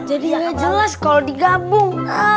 jadinya jelas kalau digabung